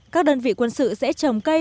các đơn vị quân sự sẽ trồng cây